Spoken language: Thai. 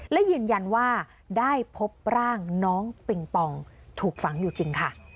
และยืนยันว่าได้พบร่างน้องปิงปองถูกฝังอยู่จริงค่ะ